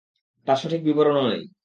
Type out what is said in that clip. তার সঠিক বিবরণও নেই।